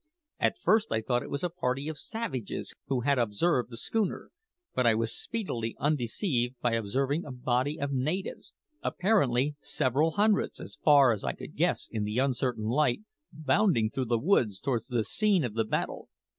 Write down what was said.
At first I thought it was a party of savages who had observed the schooner, but I was speedily undeceived by observing a body of natives apparently several hundreds, as far as I could guess in the uncertain light bounding through the woods towards the scene of battle.